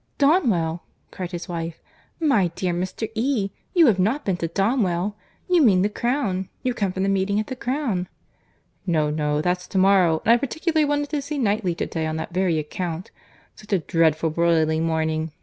"Donwell!" cried his wife.—"My dear Mr. E., you have not been to Donwell!—You mean the Crown; you come from the meeting at the Crown." "No, no, that's to morrow; and I particularly wanted to see Knightley to day on that very account.—Such a dreadful broiling morning!